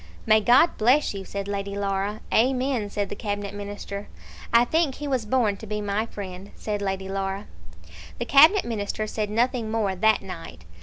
"May God bless you," said Lady Laura. "Amen," said the Cabinet Minister. "I think he was born to be my friend," said Lady Laura. The Cabinet Minister said nothing more that night.